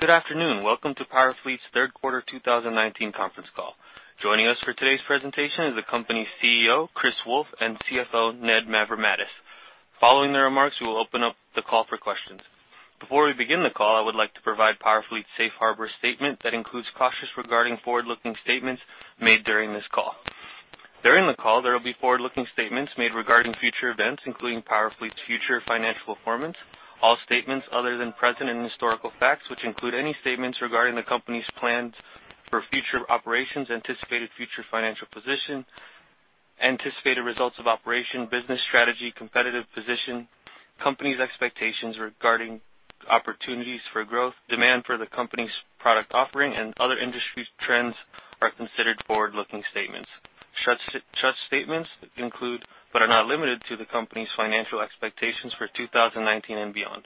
Good afternoon. Welcome to PowerFleet's third quarter 2019 conference call. Joining us for today's presentation is the company's CEO, Chris Wolfe, and CFO, Ned Mavrommatis. Following the remarks, we will open up the call for questions. Before we begin the call, I would like to provide PowerFleet's safe harbor statement that includes cautions regarding forward-looking statements made during this call. During the call, there will be forward-looking statements made regarding future events, including PowerFleet's future financial performance. All statements other than present and historical facts, which include any statements regarding the company's plans for future operations, anticipated future financial position, anticipated results of operation, business strategy, competitive position, company's expectations regarding opportunities for growth, demand for the company's product offering, and other industry trends are considered forward-looking statements. Such statements include, but are not limited to, the company's financial expectations for 2019 and beyond.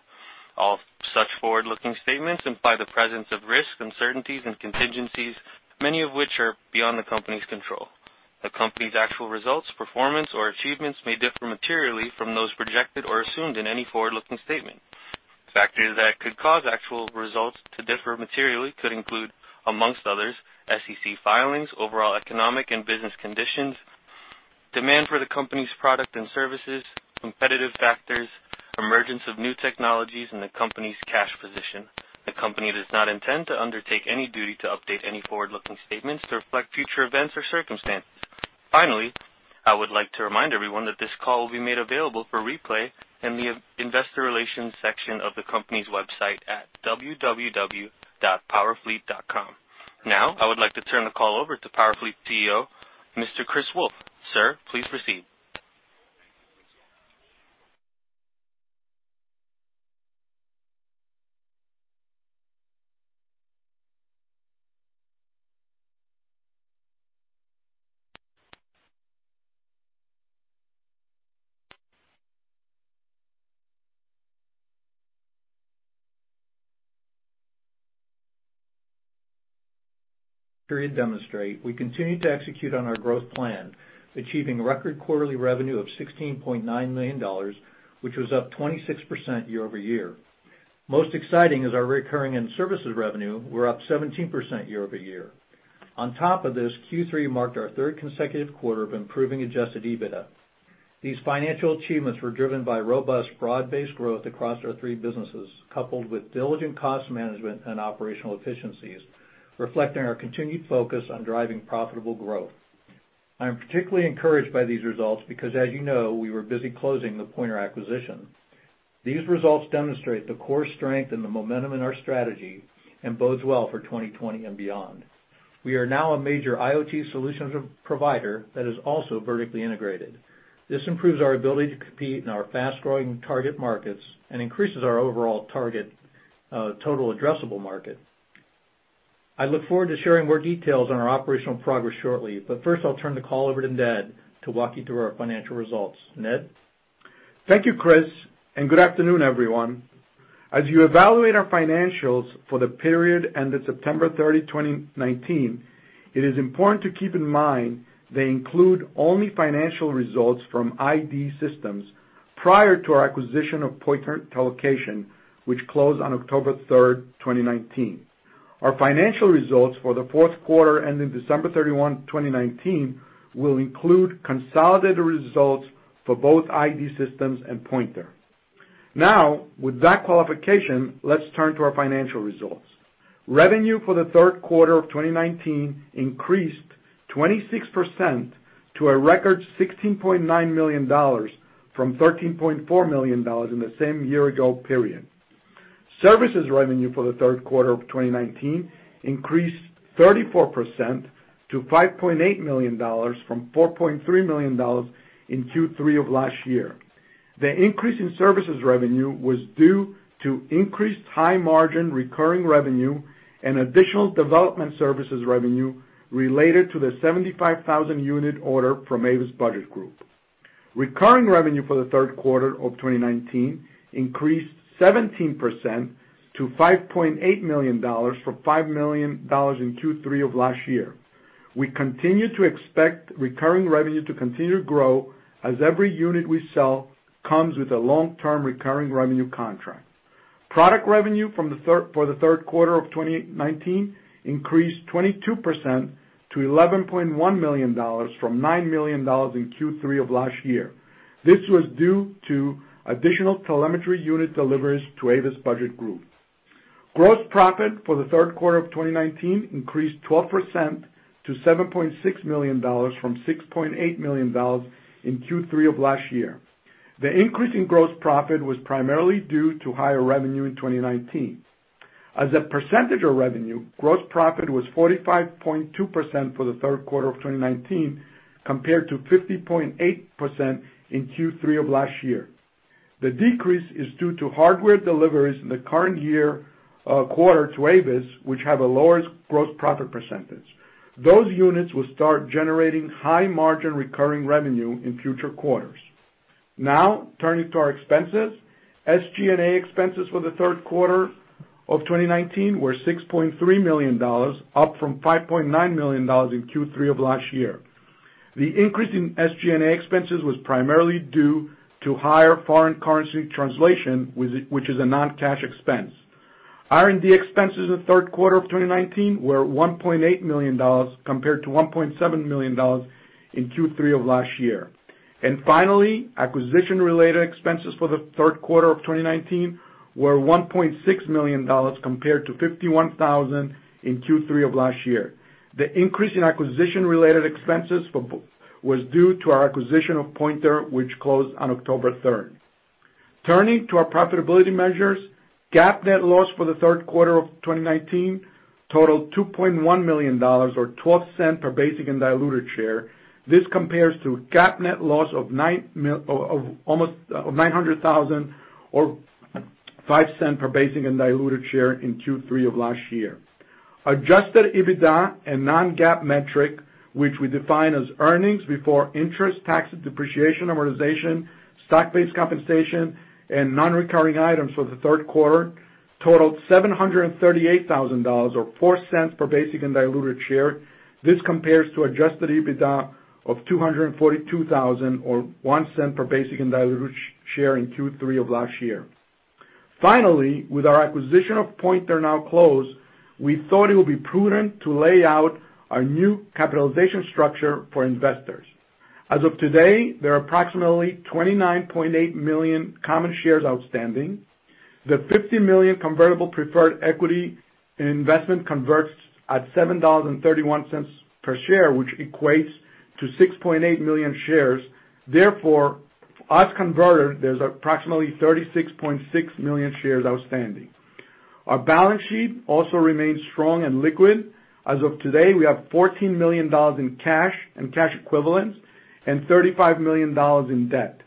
All such forward-looking statements imply the presence of risk, uncertainties, and contingencies, many of which are beyond the company's control. The company's actual results, performance, or achievements may differ materially from those projected or assumed in any forward-looking statement. Factors that could cause actual results to differ materially could include, amongst others, SEC filings, overall economic and business conditions, demand for the company's product and services, competitive factors, emergence of new technologies, and the company's cash position. The company does not intend to undertake any duty to update any forward-looking statements to reflect future events or circumstances. Finally, I would like to remind everyone that this call will be made available for replay in the investor relations section of the company's website at www.powerfleet.com. I would like to turn the call over to PowerFleet CEO, Mr. Chris Wolfe. Sir, please proceed. Period demonstrate, we continue to execute on our growth plan, achieving record quarterly revenue of $16.9 million, which was up 26% year-over-year. Most exciting is our recurring and services revenue were up 17% year-over-year. On top of this, Q3 marked our third consecutive quarter of improving adjusted EBITDA. These financial achievements were driven by robust broad-based growth across our three businesses, coupled with diligent cost management and operational efficiencies, reflecting our continued focus on driving profitable growth. I'm particularly encouraged by these results because, as you know, we were busy closing the Pointer acquisition. These results demonstrate the core strength and the momentum in our strategy and bodes well for 2020 and beyond. We are now a major IoT solutions provider that is also vertically integrated. This improves our ability to compete in our fast-growing target markets and increases our overall target total addressable market. I look forward to sharing more details on our operational progress shortly, but first I'll turn the call over to Ned to walk you through our financial results. Ned? Thank you, Chris. Good afternoon, everyone. As you evaluate our financials for the period ended September 30, 2019, it is important to keep in mind they include only financial results from I.D. Systems prior to our acquisition of Pointer Telocation, which closed on October 3, 2019. Our financial results for the fourth quarter ending December 31, 2019, will include consolidated results for both I.D. Systems and Pointer. With that qualification, let's turn to our financial results. Revenue for the third quarter of 2019 increased 26% to a record $16.9 million from $13.4 million in the same year-ago period. Services revenue for the third quarter of 2019 increased 34% to $5.8 million from $4.3 million in Q3 of last year. The increase in services revenue was due to increased high-margin recurring revenue and additional development services revenue related to the 75,000-unit order from Avis Budget Group. Recurring revenue for the third quarter of 2019 increased 17% to $5.8 million from $5 million in Q3 of last year. We continue to expect recurring revenue to continue to grow as every unit we sell comes with a long-term recurring revenue contract. Product revenue for the third quarter of 2019 increased 22% to $11.1 million from $9 million in Q3 of last year. This was due to additional telemetry unit deliveries to Avis Budget Group. Gross profit for the third quarter of 2019 increased 12% to $7.6 million from $6.8 million in Q3 of last year. The increase in gross profit was primarily due to higher revenue in 2019. As a percentage of revenue, gross profit was 45.2% for the third quarter of 2019 compared to 50.8% in Q3 of last year. The decrease is due to hardware deliveries in the current year quarter to Avis, which have a lower gross profit percentage. Those units will start generating high-margin recurring revenue in future quarters. Now, turning to our expenses. SG&A expenses for the third quarter of 2019 were $6.3 million, up from $5.9 million in Q3 of last year. The increase in SG&A expenses was primarily due to higher foreign currency translation, which is a non-cash expense. R&D expenses in the third quarter of 2019 were $1.8 million, compared to $1.7 million in Q3 of last year. Finally, acquisition-related expenses for the third quarter of 2019 were $1.6 million compared to $51,000 in Q3 of last year. The increase in acquisition-related expenses was due to our acquisition of Pointer, which closed on October 3rd. Turning to our profitability measures, GAAP net loss for the third quarter of 2019 totaled $2.1 million or $0.12 per basic and diluted share. This compares to GAAP net loss of $900,000 or $0.05 per basic and diluted share in Q3 of last year. Adjusted EBITDA and non-GAAP metric, which we define as earnings before interest, taxes, depreciation, amortization, stock-based compensation, and non-recurring items for the third quarter, totaled $738,000 or $0.04 per basic and diluted share. This compares to adjusted EBITDA of $242,000 or $0.01 per basic and diluted share in Q3 of last year. Finally, with our acquisition of Pointer now closed, we thought it would be prudent to lay out our new capitalization structure for investors. As of today, there are approximately 29.8 million common shares outstanding. The $50 million convertible preferred equity investment converts at $7.31 per share, which equates to 6.8 million shares. As converted, there's approximately 36.6 million shares outstanding. Our balance sheet also remains strong and liquid. As of today, we have $14 million in cash and cash equivalents and $35 million in debt.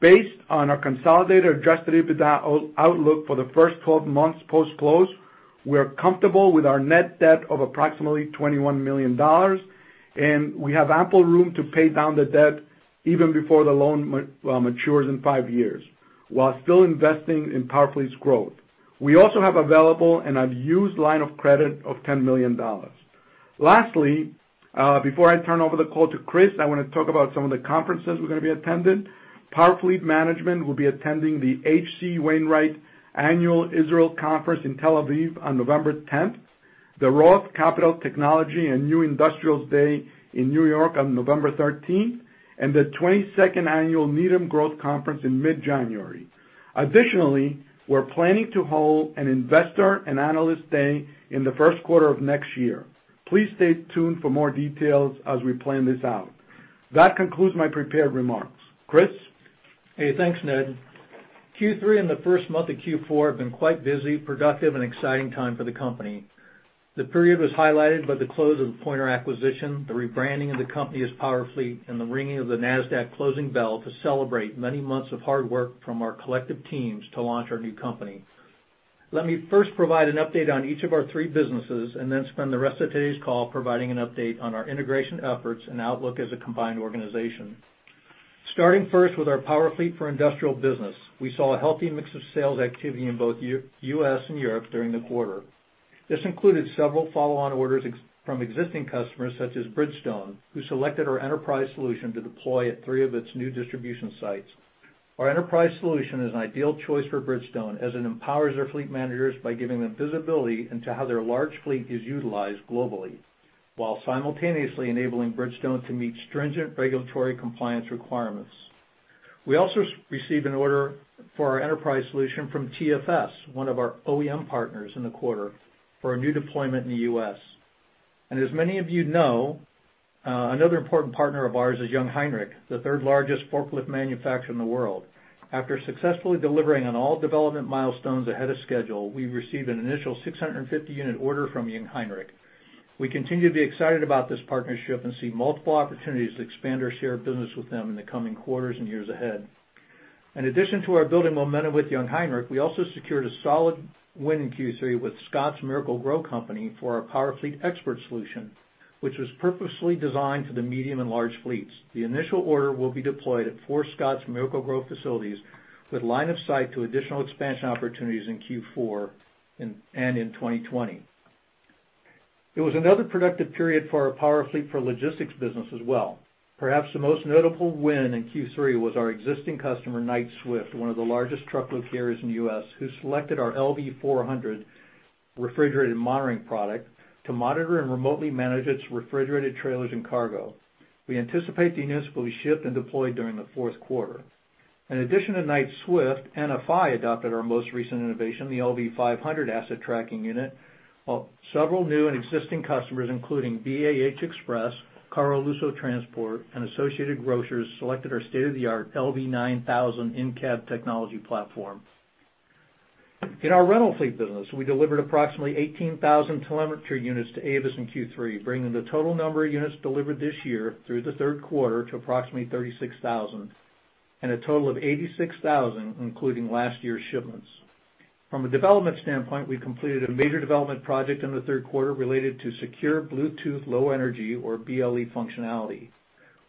Based on our consolidated adjusted EBITDA outlook for the first 12 months post-close, we are comfortable with our net debt of approximately $21 million, and we have ample room to pay down the debt even before the loan matures in five years, while still investing in PowerFleet's growth. We also have available an unused line of credit of $10 million. Lastly, before I turn over the call to Chris, I want to talk about some of the conferences we're going to be attending. PowerFleet management will be attending the H.C. Wainwright Annual Israel Conference in Tel Aviv on November 10th, the Roth Capital Technology and New Industrials Day in New York on November 13th, and the 22nd Annual Needham Growth Conference in mid-January. Additionally, we're planning to hold an investor and analyst day in the first quarter of next year. Please stay tuned for more details as we plan this out. That concludes my prepared remarks. Chris? Thanks, Ned. Q3 and the first month of Q4 have been quite busy, productive, and exciting time for the company. The period was highlighted by the close of the Pointer acquisition, the rebranding of the company as PowerFleet, and the ringing of the Nasdaq closing bell to celebrate many months of hard work from our collective teams to launch our new company. Let me first provide an update on each of our three businesses, and then spend the rest of today's call providing an update on our integration efforts and outlook as a combined organization. Starting first with our PowerFleet for industrial business, we saw a healthy mix of sales activity in both U.S. and Europe during the quarter. This included several follow-on orders from existing customers such as Bridgestone, who selected our enterprise solution to deploy at three of its new distribution sites. Our enterprise solution is an ideal choice for Bridgestone, as it empowers their fleet managers by giving them visibility into how their large fleet is utilized globally, while simultaneously enabling Bridgestone to meet stringent regulatory compliance requirements. We also received an order for our enterprise solution from TFS, one of our OEM partners in the quarter, for a new deployment in the U.S. As many of you know, another important partner of ours is Jungheinrich, the third-largest forklift manufacturer in the world. After successfully delivering on all development milestones ahead of schedule, we received an initial 650-unit order from Jungheinrich. We continue to be excited about this partnership and see multiple opportunities to expand our shared business with them in the coming quarters and years ahead. In addition to our building momentum with Jungheinrich, we also secured a solid win in Q3 with The Scotts Miracle-Gro Company for our PowerFleet Expert solution, which was purposely designed for the medium and large fleets. The initial order will be deployed at 4 Scotts Miracle-Gro facilities with line of sight to additional expansion opportunities in Q4 and in 2020. It was another productive period for our PowerFleet for logistics business as well. Perhaps the most notable win in Q3 was our existing customer, Knight-Swift, one of the largest truckload carriers in the U.S., who selected our LV-400 refrigerated monitoring product to monitor and remotely manage its refrigerated trailers and cargo. We anticipate the units will be shipped and deployed during the fourth quarter. In addition to Knight-Swift, NFI adopted our most recent innovation, the LV-500 asset tracking unit. While several new and existing customers, including BAH Express, Caruso Transport, and Associated Grocers, selected our state-of-the-art LV-9000 in-cab technology platform. In our rental fleet business, we delivered approximately 18,000 telemetry units to Avis in Q3, bringing the total number of units delivered this year through the third quarter to approximately 36,000, and a total of 86,000 including last year's shipments. From a development standpoint, we completed a major development project in the third quarter related to secure Bluetooth Low Energy, or BLE functionality.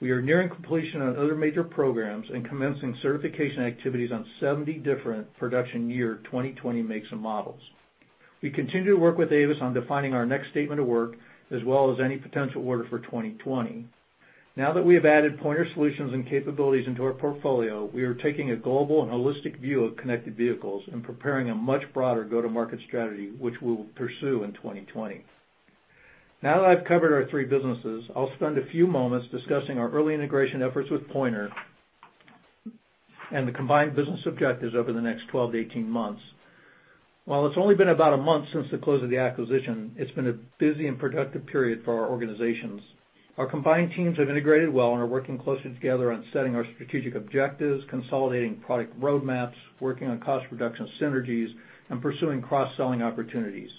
We are nearing completion on other major programs and commencing certification activities on 70 different production year 2020 makes and models. We continue to work with Avis on defining our next statement of work, as well as any potential order for 2020. Now that we have added Pointer solutions and capabilities into our portfolio, we are taking a global and holistic view of connected vehicles and preparing a much broader go-to-market strategy, which we will pursue in 2020. Now that I've covered our three businesses, I'll spend a few moments discussing our early integration efforts with Pointer and the combined business objectives over the next 12-18 months. While it's only been about a month since the close of the acquisition, it's been a busy and productive period for our organizations. Our combined teams have integrated well and are working closely together on setting our strategic objectives, consolidating product roadmaps, working on cost reduction synergies, and pursuing cross-selling opportunities.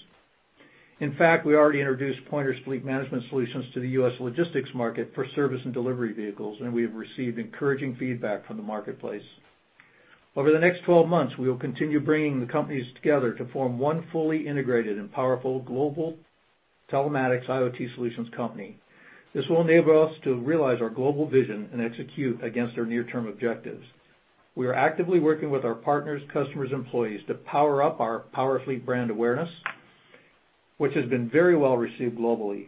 In fact, we already introduced Pointer's fleet management solutions to the U.S. logistics market for service and delivery vehicles, and we have received encouraging feedback from the marketplace. Over the next 12 months, we will continue bringing the companies together to form one fully integrated and powerful global telematics IoT solutions company. This will enable us to realize our global vision and execute against our near-term objectives. We are actively working with our partners, customers, employees to power up our PowerFleet brand awareness, which has been very well received globally.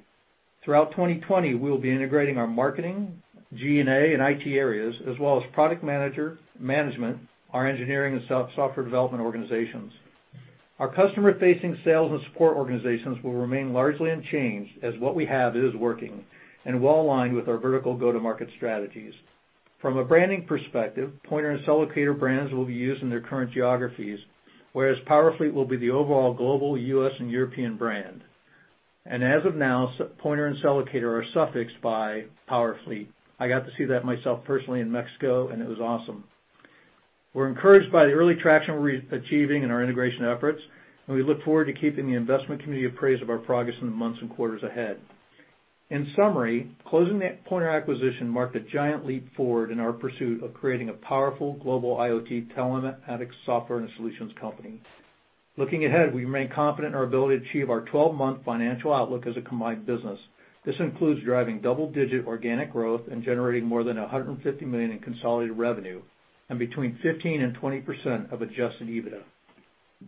Throughout 2020, we will be integrating our marketing, G&A, and IT areas, as well as product management, our engineering, and software development organizations. Our customer-facing sales and support organizations will remain largely unchanged, as what we have is working and well-aligned with our vertical go-to-market strategies. From a branding perspective, Pointer and Cellocator brands will be used in their current geographies, whereas PowerFleet will be the overall global U.S. and European brand. As of now, Pointer and Cellocator are suffixed by PowerFleet. I got to see that myself personally in Mexico, and it was awesome. We're encouraged by the early traction we're achieving in our integration efforts, and we look forward to keeping the investment community appraised of our progress in the months and quarters ahead. In summary, closing the Pointer acquisition marked a giant leap forward in our pursuit of creating a powerful global IoT telematics software and solutions company. Looking ahead, we remain confident in our ability to achieve our 12-month financial outlook as a combined business. This includes driving double-digit organic growth and generating more than $150 million in consolidated revenue and between 15% and 20% of adjusted EBITDA.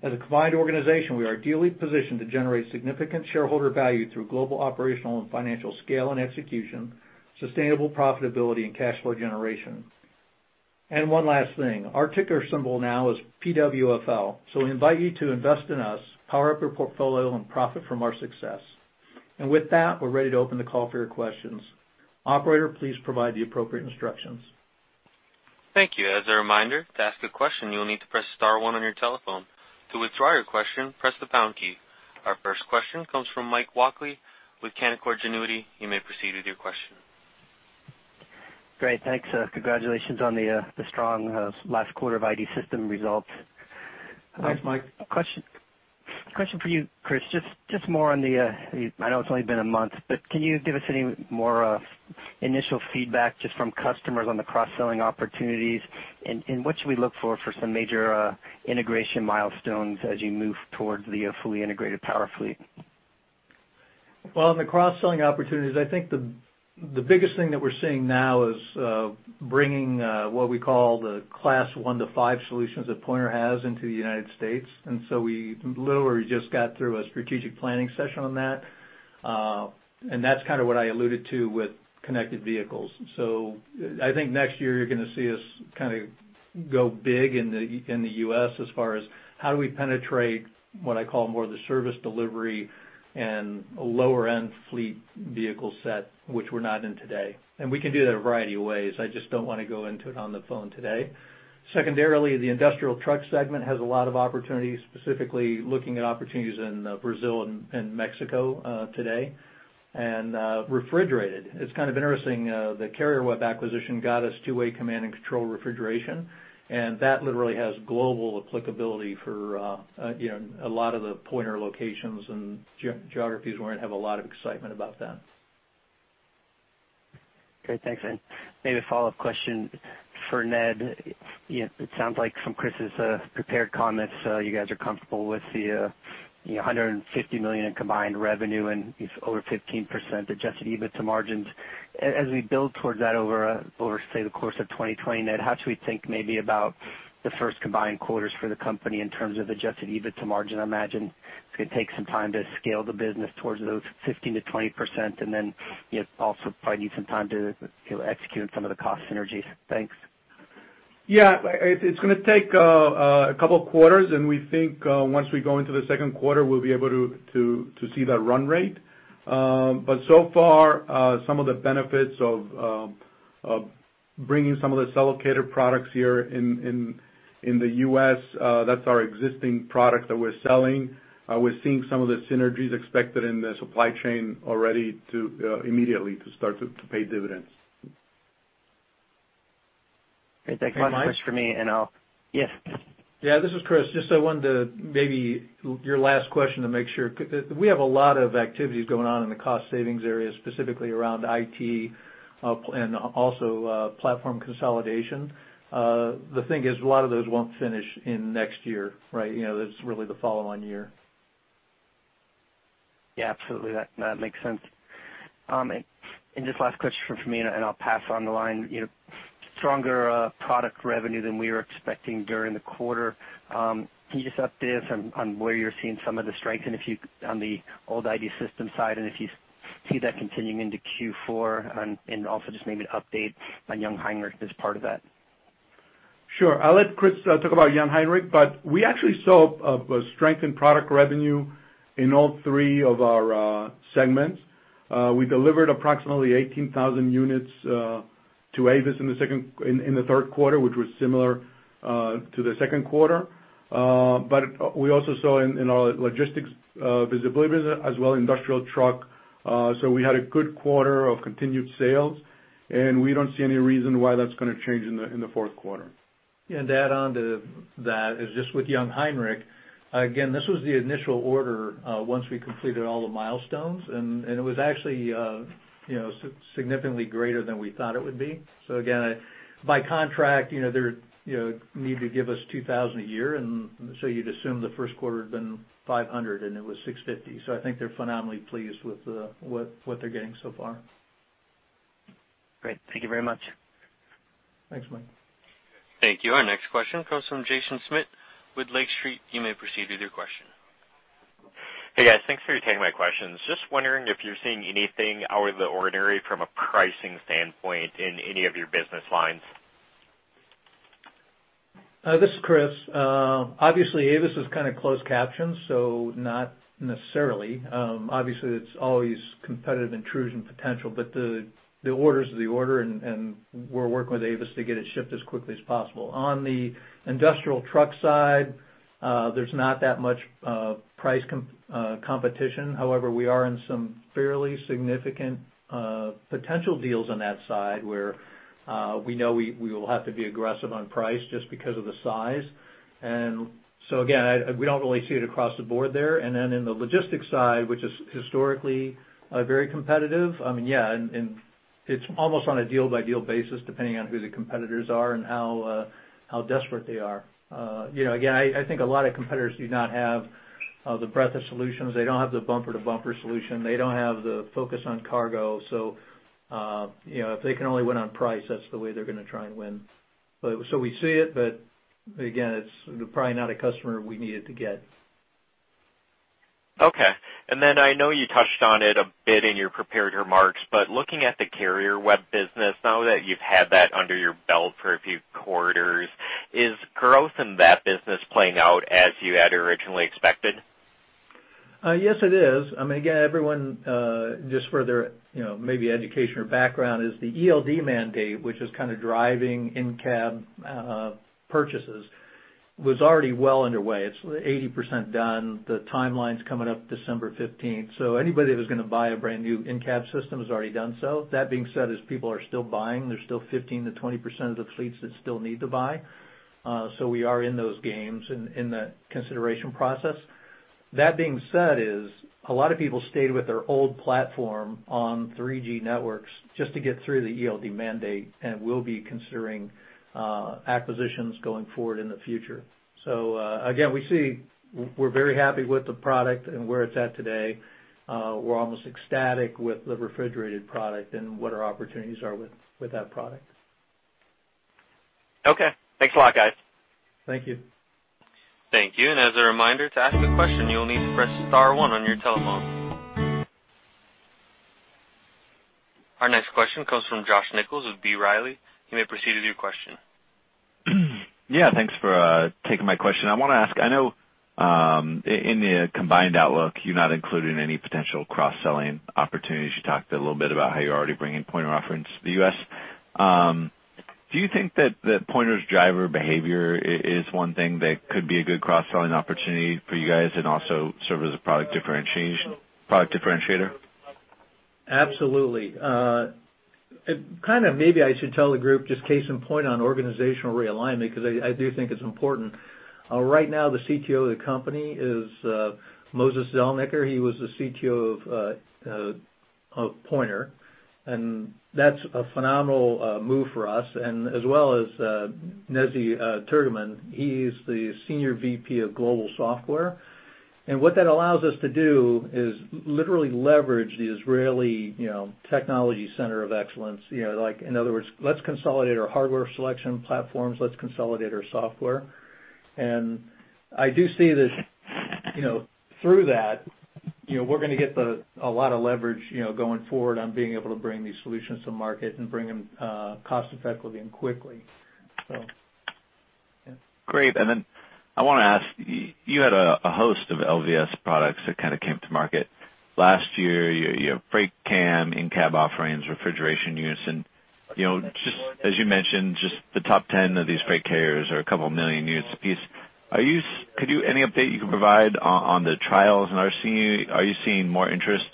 As a combined organization, we are ideally positioned to generate significant shareholder value through global operational and financial scale and execution, sustainable profitability, and cash flow generation. One last thing, our ticker symbol now is PWFL. We invite you to invest in us, power up your portfolio, and profit from our success. With that, we're ready to open the call for your questions. Operator, please provide the appropriate instructions. Thank you. As a reminder, to ask a question, you will need to press star one on your telephone. To withdraw your question, press the pound key. Our first question comes from Mike Walkley with Canaccord Genuity. You may proceed with your question. Great. Thanks. Congratulations on the strong last quarter of I.D. Systems results. Thanks, Mike. Question for you, Chris. I know it's only been a month, but can you give us any more initial feedback just from customers on the cross-selling opportunities? What should we look for for some major integration milestones as you move towards the fully integrated PowerFleet? Well, on the cross-selling opportunities, I think the biggest thing that we're seeing now is bringing what we call the class 1 to 5 solutions that Pointer has into the United States. We literally just got through a strategic planning session on that. That's what I alluded to with connected vehicles. I think next year you're going to see us go big in the U.S. as far as how do we penetrate what I call more the service delivery and lower-end fleet vehicle set, which we're not in today. We can do that a variety of ways. I just don't want to go into it on the phone today. Secondarily, the industrial truck segment has a lot of opportunities, specifically looking at opportunities in Brazil and Mexico today. Refrigerated. It's kind of interesting. The CarrierWeb acquisition got us two-way command and control refrigeration. That literally has global applicability for a lot of the Pointer locations and geographies we're in have a lot of excitement about that. Great. Thanks. Maybe a follow-up question for Ned. It sounds like from Chris's prepared comments, you guys are comfortable with the $150 million in combined revenue and over 15% adjusted EBITDA margins. As we build towards that over, say, the course of 2020, Ned, how should we think maybe about the first combined quarters for the company in terms of adjusted EBITDA margin? I imagine it's going to take some time to scale the business towards those 15%-20% and then also probably need some time to execute on some of the cost synergies. Thanks. Yeah. It's going to take a couple of quarters, and we think once we go into the second quarter, we'll be able to see that run rate. So far, some of the benefits of bringing some of the Cellocator products here in the U.S., that's our existing product that we're selling. We're seeing some of the synergies expected in the supply chain already immediately to start to pay dividends. Great. Thanks. One question for me and yeah. Yeah, this is Chris. I wanted to maybe, your last question, to make sure. We have a lot of activities going on in the cost savings area, specifically around IT and also platform consolidation. The thing is, a lot of those won't finish in next year, right? That's really the following year. Yeah, absolutely. That makes sense. Just last question from me, I'll pass on the line. Stronger product revenue than we were expecting during the quarter. Can you just update us on where you're seeing some of the strength on the old I.D. Systems side, and if you see that continuing into Q4, and also just maybe an update on Jungheinrich as part of that? Sure. I'll let Chris talk about Jungheinrich. We actually saw a strength in product revenue in all three of our segments. We delivered approximately 18,000 units to Avis in the third quarter, which was similar to the second quarter. We also saw in our logistics visibility business as well, industrial truck. We had a good quarter of continued sales, and we don't see any reason why that's going to change in the fourth quarter. To add on to that is just with Jungheinrich. Again, this was the initial order once we completed all the milestones, and it was actually significantly greater than we thought it would be. Again, by contract, they need to give us 2,000 a year, and so you'd assume the first quarter had been 500, and it was 650. I think they're phenomenally pleased with what they're getting so far. Great. Thank you very much. Thanks, Mike. Thank you. Our next question comes from Jaeson Schmidt with Lake Street. You may proceed with your question. Hey, guys. Thanks for taking my questions. Just wondering if you're seeing anything out of the ordinary from a pricing standpoint in any of your business lines? This is Chris. Obviously, Avis is kind of closed captioned, not necessarily. Obviously, it's always competitive intrusion potential, the order is the order, and we're working with Avis to get it shipped as quickly as possible. On the industrial truck side, there's not that much price competition. However, we are in some fairly significant potential deals on that side, where we know we will have to be aggressive on price just because of the size. Again, we don't really see it across the board there. In the logistics side, which is historically very competitive, I mean, yeah, it's almost on a deal-by-deal basis, depending on who the competitors are and how desperate they are. Again, I think a lot of competitors do not have the breadth of solutions. They don't have the bumper-to-bumper solution. They don't have the focus on cargo. If they can only win on price, that's the way they're going to try and win. We see it, but again, it's probably not a customer we needed to get. Okay. I know you touched on it a bit in your prepared remarks, but looking at the CarrierWeb business, now that you've had that under your belt for a few quarters, is growth in that business playing out as you had originally expected? Yes, it is. Again, everyone, just for their maybe education or background is the ELD mandate, which is kind of driving in-cab purchases, was already well underway. It's 80% done. The timeline's coming up December 15th. Anybody that was going to buy a brand-new in-cab system has already done so. That being said is people are still buying. There's still 15%-20% of the fleets that still need to buy. We are in those games, in that consideration process. That being said is, a lot of people stayed with their old platform on 3G networks just to get through the ELD mandate and will be considering acquisitions going forward in the future. Again, we're very happy with the product and where it's at today. We're almost ecstatic with the refrigerated product and what our opportunities are with that product. Okay. Thanks a lot, guys. Thank you. Thank you. As a reminder, to ask a question, you will need to press star one on your telephone. Our next question comes from Josh Nichols with B. Riley. You may proceed with your question. Yeah. Thanks for taking my question. I want to ask, I know in the combined outlook, you're not including any potential cross-selling opportunities. You talked a little bit about how you're already bringing Pointer offerings to the U.S. Do you think that Pointer's driver behavior is one thing that could be a good cross-selling opportunity for you guys and also serve as a product differentiator? Absolutely. Maybe I should tell the group just case in point on organizational realignment, because I do think it's important. Right now, the CTO of the company is Moses Zelniker. He was the CTO of Pointer, that's a phenomenal move for us, as well as Nezy Turgeman, he's the Senior VP of Global Software. What that allows us to do is literally leverage the Israeli technology center of excellence. In other words, let's consolidate our hardware selection platforms, let's consolidate our software. I do see this through that, we're going to get a lot of leverage going forward on being able to bring these solutions to market and bring them cost effectively and quickly. Yeah. Great. Then I want to ask, you had a host of LVS products that came to market. Last year, you have FreightCam, in-cab offerings, refrigeration units, and just as you mentioned, just the top 10 of these freight carriers are a couple million units a piece. Any update you can provide on the trials? Are you seeing more interest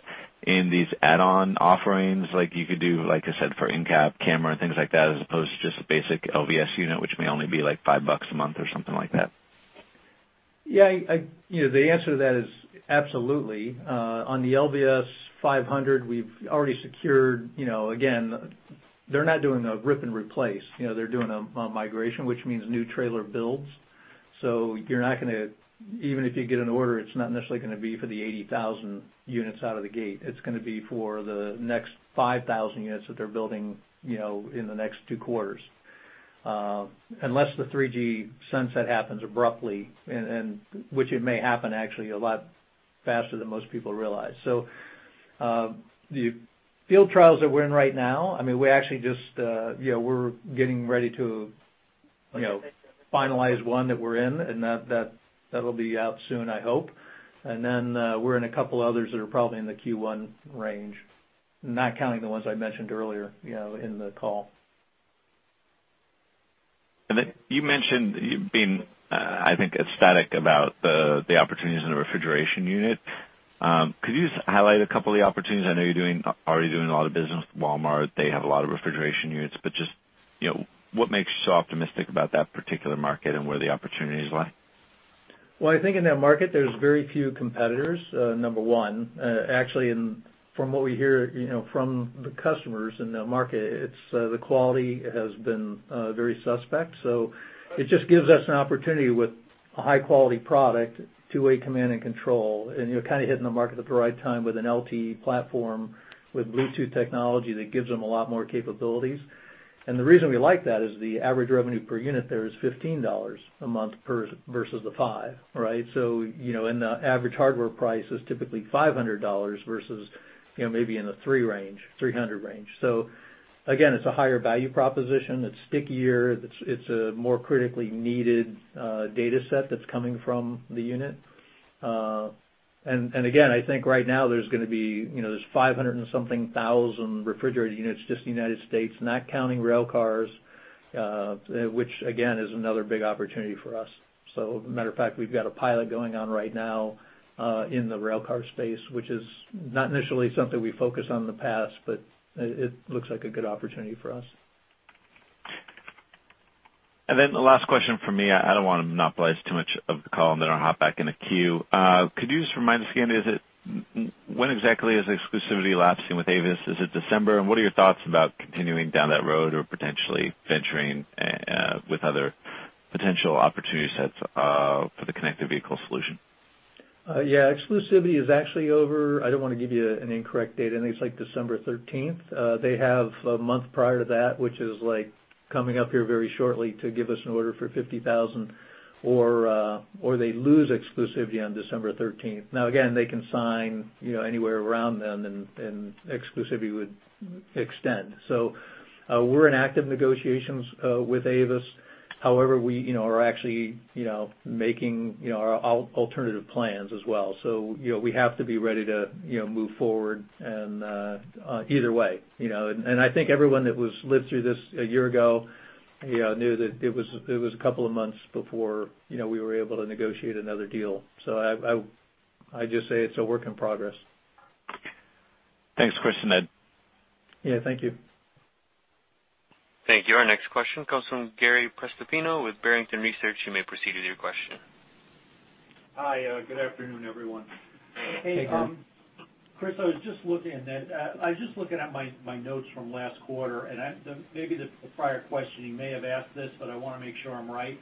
in these add-on offerings like you could do, like I said, for in-cab camera and things like that, as opposed to just a basic LVS unit, which may only be like $5 a month or something like that? Yeah. The answer to that is absolutely. On the LV-500, we've already secured. Again, they're not doing a rip and replace. They're doing a migration, which means new trailer builds. You're not going to even if you get an order, it's not necessarily going to be for the 80,000 units out of the gate. It's going to be for the next 5,000 units that they're building, in the next two quarters. Unless the 3G sunset happens abruptly, which it may happen actually a lot faster than most people realize. The field trials that we're in right now, we're getting ready to finalize one that we're in, and that'll be out soon, I hope. We're in a couple others that are probably in the Q1 range. Not counting the ones I mentioned earlier, in the call. You mentioned you being, I think, ecstatic about the opportunities in the refrigeration unit. Could you just highlight a couple of the opportunities? I know you're already doing a lot of business with Walmart. They have a lot of refrigeration units, but just what makes you so optimistic about that particular market and where the opportunities lie? I think in that market, there's very few competitors, number 1. Actually, from what we hear from the customers in that market, the quality has been very suspect. It just gives us an opportunity with a high-quality product, two-way command and control, and you're kind of hitting the market at the right time with an LTE platform with Bluetooth technology that gives them a lot more capabilities. The reason we like that is the average revenue per unit there is $15 a month versus the 5, right? The average hardware price is typically $500 versus maybe in the $300 range. Again, it's a higher value proposition. It's stickier. It's a more critically needed dataset that's coming from the unit. Again, I think right now there's 500 and something thousand refrigerator units just in the U.S., not counting railcars, which again, is another big opportunity for us. Matter of fact, we've got a pilot going on right now, in the railcar space, which is not initially something we focused on in the past, but it looks like a good opportunity for us. The last question from me, I don't want to monopolize too much of the call, and then I'll hop back in the queue. Could you just remind us again, when exactly is exclusivity lapsing with Avis? Is it December? What are your thoughts about continuing down that road or potentially venturing with other potential opportunity sets, for the connected vehicle solution? Yeah, exclusivity is actually over, I don't want to give you an incorrect date. I think it's December 13th. They have a month prior to that, which is coming up here very shortly to give us an order for 50,000 or they lose exclusivity on December 13th. Again, they can sign anywhere around then, and exclusivity would extend. We're in active negotiations with Avis. However, we are actually making our alternative plans as well. We have to be ready to move forward and either way. I think everyone that lived through this a year ago knew that it was a couple of months before we were able to negotiate another deal. I just say it's a work in progress. Thanks, Chris and Ned. Yeah. Thank you. Thank you. Our next question comes from Gary Prestopino with Barrington Research. You may proceed with your question. Hi, good afternoon, everyone. Hey, Gary. Chris, I was just looking at my notes from last quarter, and maybe the prior questionee may have asked this, but I want to make sure I'm right.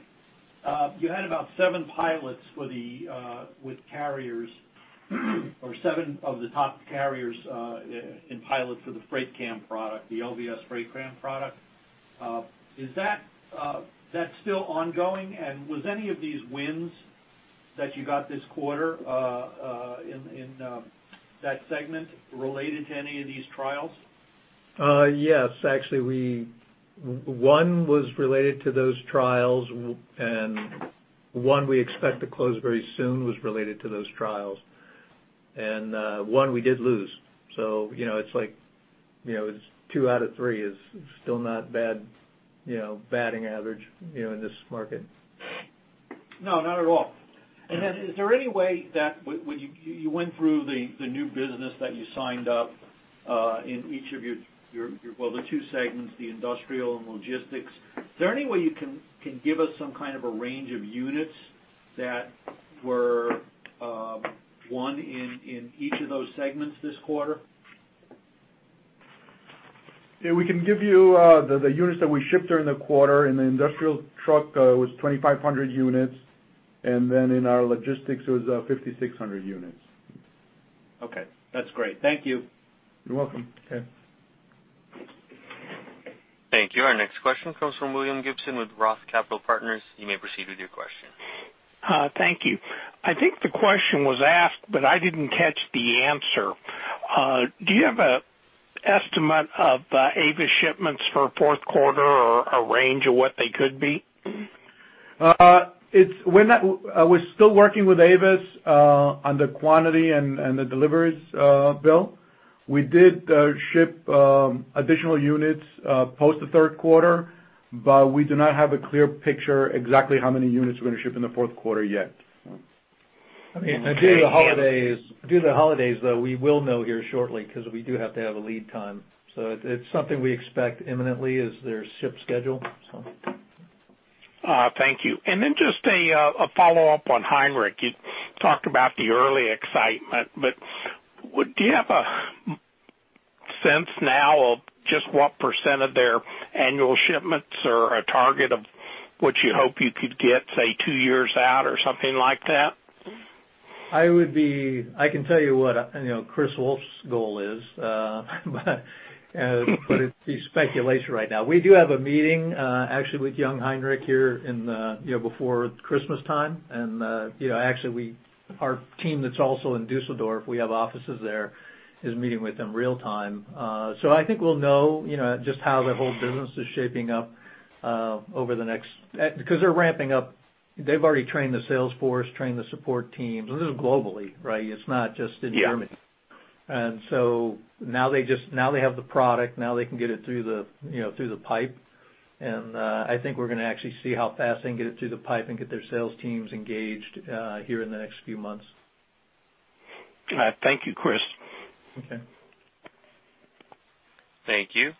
You had about seven pilots with carriers or seven of the top carriers in pilot for the FreightCam product, the LVS FreightCam product. Is that still ongoing? Was any of these wins that you got this quarter in that segment related to any of these trials? Yes. Actually, one was related to those trials, and one we expect to close very soon was related to those trials. One we did lose. It's like two out of three is still not bad batting average in this market. No, not at all. Is there any way that when you went through the new business that you signed up, in each of your, well, the two segments, the industrial and logistics, is there any way you can give us some kind of a range of units that were won in each of those segments this quarter? Yeah, we can give you the units that we shipped during the quarter. In the industrial truck, it was 2,500 units, and then in our logistics, it was 5,600 units. Okay. That's great. Thank you. You're welcome. Okay. Thank you. Our next question comes from William Gibson with Roth Capital Partners. You may proceed with your question. Thank you. I think the question was asked, but I didn't catch the answer. Do you have an estimate of Avis shipments for fourth quarter or a range of what they could be? We're still working with Avis on the quantity and the deliveries, Bill. We did ship additional units post the third quarter. We do not have a clear picture exactly how many units we're going to ship in the fourth quarter yet. Due to the holidays, though, we will know here shortly because we do have to have a lead time. It's something we expect imminently as their ship schedule. Thank you. Just a follow-up on Jungheinrich. You talked about the early excitement, do you have a sense now of just what % of their annual shipments or a target of what you hope you could get, say, two years out or something like that? I can tell you what Chris Wolfe's goal is, it'd be speculation right now. We do have a meeting, actually with Jungheinrich here before Christmas time, actually our team that's also in Düsseldorf, we have offices there, is meeting with them real time. I think we'll know just how the whole business is shaping up over the next because they're ramping up. They've already trained the sales force, trained the support teams, this is globally, right? It's not just in Germany. Yeah. Now they have the product, now they can get it through the pipe, and I think we're going to actually see how fast they can get it through the pipe and get their sales teams engaged here in the next few months. All right. Thank you, Chris. Okay. Thank you.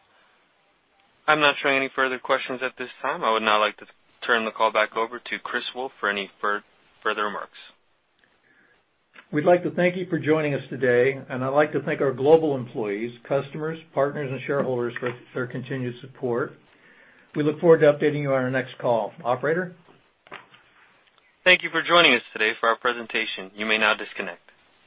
I'm not showing any further questions at this time. I would now like to turn the call back over to Chris Wolfe for any further remarks. We'd like to thank you for joining us today, and I'd like to thank our global employees, customers, partners, and shareholders for their continued support. We look forward to updating you on our next call. Operator? Thank you for joining us today for our presentation. You may now disconnect.